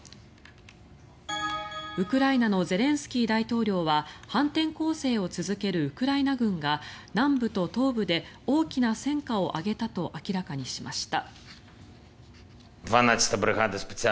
ウクライナのゼレンスキー大統領は反転攻勢を続けるウクライナ軍が南部と東部で大きな戦果を上げたと明らかにしました。